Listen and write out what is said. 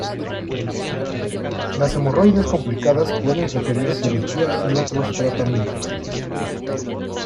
Las hemorroides complicadas pueden requerir cirugía y otros tratamientos.